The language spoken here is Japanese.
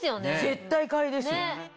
絶対買いですよ！